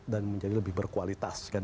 dan menjadi lebih berkualitas